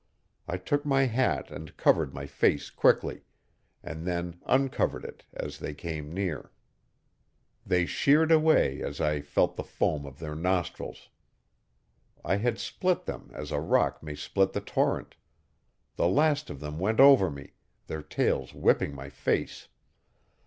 I took my hat and covered my face quickly, and then uncovered it as they came near. They sheared away as I felt the foam of their nostrils. I had split them as a rock may split the torrent. The last of them went over me their tails whipping my face.